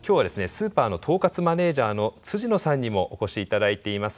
スーパーの統括マネージャーの野さんにもお越し頂いています。